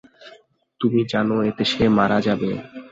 তুমি জানো এতে সে মারা যাবে।